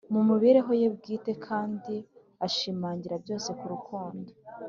mu mibereho ye bwite kandi ashimangira byose ku rukundo,